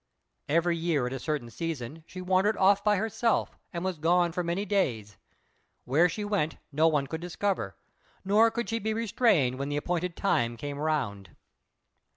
Every year at a certain season, she wandered off by herself and was gone for many days; where she went no one could discover, nor could she be restrained when the appointed time came round.